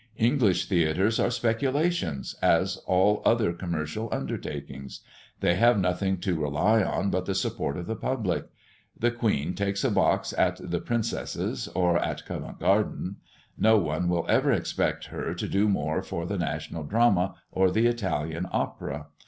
English theatres are speculations, as all other commercial undertakings; they have nothing to rely on but the support of the public. The Queen takes a box at the Princess's, or at Covent Garden; no one will ever expect her to do more for the 'national drama,' or the Italian opera.